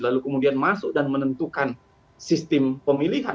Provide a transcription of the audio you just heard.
lalu kemudian masuk dan menentukan sistem pemilihan